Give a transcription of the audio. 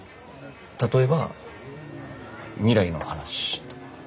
例えば未来の話とか。